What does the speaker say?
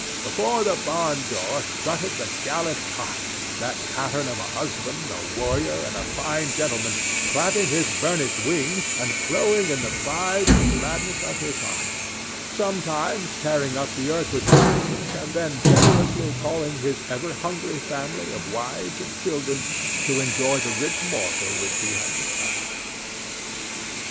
Before the barn door strutted the gallant cock, that pattern of a husband, a warrior and a fine gentleman, clapping his burnished wings and crowing in the pride and gladness of his heart, sometimes tearing up the earth with his feet, and then generously calling his ever hungry family of wives and children to enjoy the rich morsel which he had discovered.